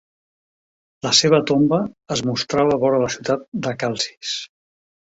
La seva tomba es mostrava vora la ciutat de Calcis.